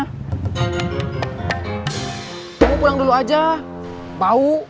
kamu pulang dulu aja bau